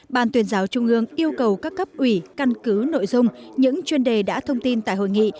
ban tuyên giáo trung ương yêu cầu các cấp ủy căn cứ nội dung những chuyên đề đã thông tin tại hội nghị